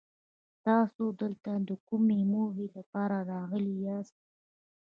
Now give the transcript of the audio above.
تاسو دلته د کومې موخې لپاره راغلي ياست؟